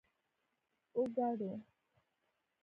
🥑 اوکاډو